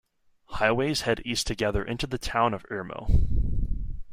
Highways head east together into the town of Irmo.